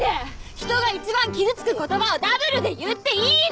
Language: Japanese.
人が一番傷つく言葉をダブルで言っていいの！？